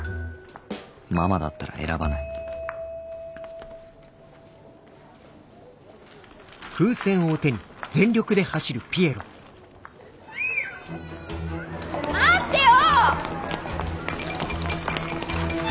ママだったら選ばない待ってよ！